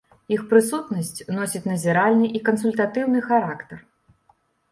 Іх прысутнасць носіць назіральны і кансультатыўны характар.